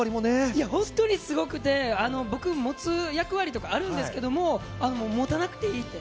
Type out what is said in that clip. いや本当にすごくて、僕、持つ役割とかあるんですけども、持たなくていいと。